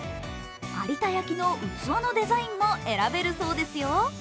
有田焼の器のデザインも選べるそうですよ。